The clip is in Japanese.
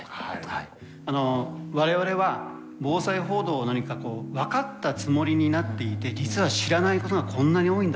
我々は防災報道を何か分かったつもりになっていて実は知らないことがこんなに多いんだと。